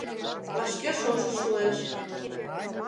Вашке шошо шуэш.